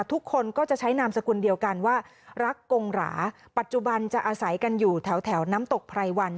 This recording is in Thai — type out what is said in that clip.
ทุกคนก็จะใช้นามสกุลเดียวกันว่ารักกงหราปัจจุบันจะอาศัยกันอยู่แถวน้ำตกไพรวัน